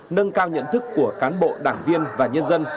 nâng cao nhận thức của cán bộ đảng viên và nhân dân